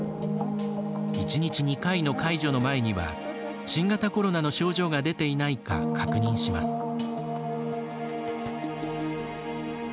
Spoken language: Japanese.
１日２回の介助の前には新型コロナの症状が出ていないか確認します。